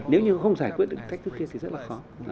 nếu như không giải quyết được cách thứ kia thì rất là khó